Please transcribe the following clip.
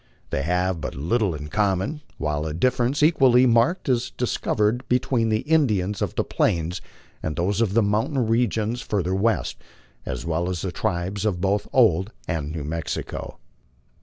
They have but little in common, while a difference equally marked is discov ered between the Indians of the Plains and those of the mountain regions fur ther west, as well as the tribes of both Old and New Msxico.